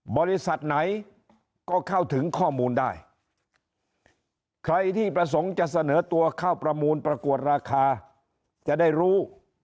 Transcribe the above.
บริษัทไหนก็เข้าถึงข้อมูลได้ใครที่ประสงค์จะเสนอตัวเข้าประมูลประกวดราคาจะได้รู้